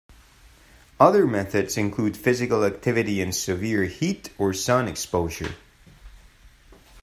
Other methods include physical activity in severe heat or sun exposure.